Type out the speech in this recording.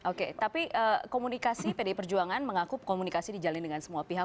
oke tapi komunikasi pdi perjuangan mengaku komunikasi dijalin dengan semua pihak